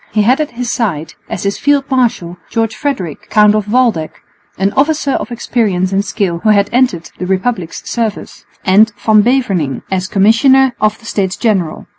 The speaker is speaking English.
He had at his side, as his field marshal, George Frederick, Count of Waldeck, an officer of experience and skill who had entered the Republic's service, and Van Beverningh as Commissioner of the States General.